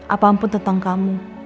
apapun tentang kamu